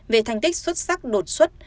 về thành tích xuất sắc đột xuất